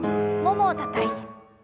ももをたたいて。